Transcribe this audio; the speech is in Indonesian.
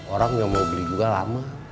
orang yang mau beli juga lama